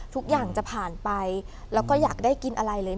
ทุกอย่างจะผ่านไปแล้วก็อยากได้กินอะไรเลย